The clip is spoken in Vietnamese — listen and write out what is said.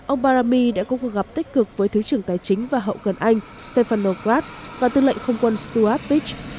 ông barami đã có cuộc gặp tích cực với thứ trưởng tài chính và hậu cần anh stefan lograt và tư lệnh không quân stuart pitch